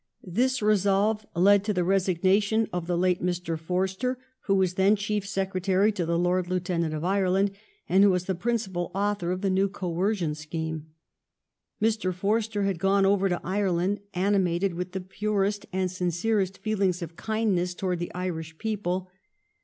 This re solve led to the resignation of the late Mr. Forster, who was then Chief Sec retary to the Lord Lieutenant of Ireland and who was the (Ftm, ,. ^i.....>i;r„,>i, i>v K.i.,«ii a s™s) principal author of the new coercion scheme. Mr. Forster had gone over to Ireland animated with the purest and sincerest feelings of kindness toward the Irish people.